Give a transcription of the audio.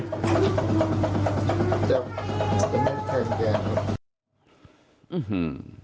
จะจะเป็นได้ไหม